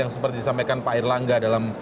seperti yang disampaikan pak irlangga dalam